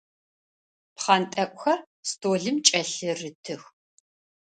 Пхъэнтӏэкӏухэр столым кӏэлъырытых.